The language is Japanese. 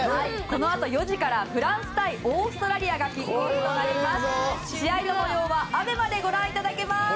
このあと４時からフランス対オーストラリアがキックオフとなります。